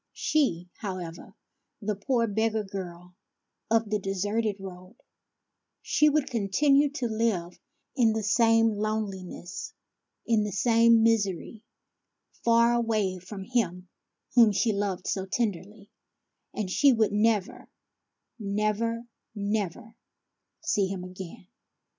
She, however, the poor beggar girl of the deserted road, — she would continue to live in the same lone liness, in the same misery, far away from him whom she loved so tenderly ; and she would never, never, never , see him again.